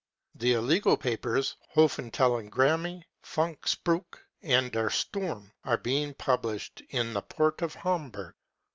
55 The illegal papers Hafentelegramme , Funkspruche and Der Sturm are being published in the port of Hamburg.